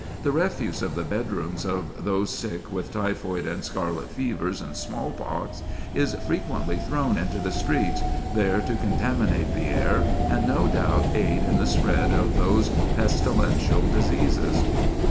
The refuse of the bedrooms of those sick with typhoid and scarlet fevers and smallpox is frequently thrown into the streets, there to contaminate the air, and, no doubt, aid in the spread of those pestilential diseases."